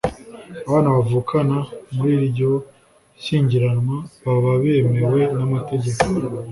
abana bavuka [muri iryo shyingiranwa] baba bemewe n’amategeko